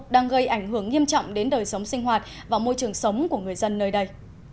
đang gây ảnh hưởng nghiêm trọng đến đời sống sinh hoạt và môi trường sống của người dân nơi đây